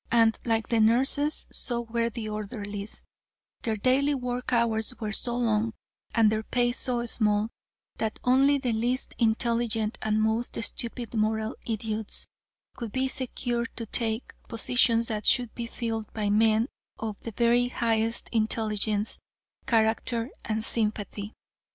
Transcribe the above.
And like the nurses, so were the orderlies; their daily work hours were so long and their pay so small that only the least intelligent and most stupid moral idiots could be secured to take positions that should be filled by men of the very highest intelligence, character and sympathy.